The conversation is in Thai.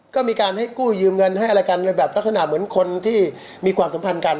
ก็มีการให้กู้ยืมเงินให้อะไรกันในแบบลักษณะเหมือนคนที่มีความสัมพันธ์กัน